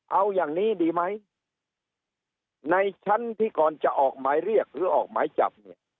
เอาอย่างนี้ดีไหมในชั้นที่ก่อนจะออกหมายเรียกหรือออกหมายจับเนี่ย